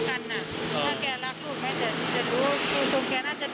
เค้ารักลูกไหมถึงรู้มากเลย